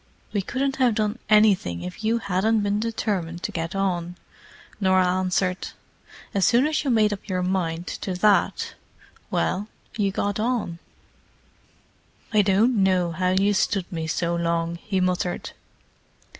"We couldn't have done anything if you hadn't been determined to get on," Norah answered. "As soon as you made up your mind to that—well, you got on." "I don't know how you stood me so long," he muttered.